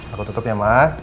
aku tutup ya ma